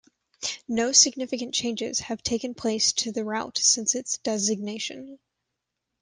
No significant changes have taken place to the route since its designation.